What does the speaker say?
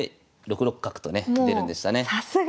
６六角とね出るんでしたね。